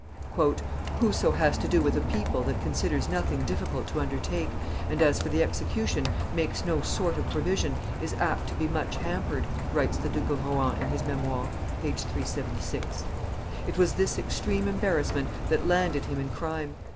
] "Whoso has to do with a people that considers nothing difficult to undertake, and, as for the execution, makes no sort of provision, is apt to be much hampered," writes the Duke of Rohan in his Memoires (t. i. p. 376). It was this extreme embarrassment that landed him in crime.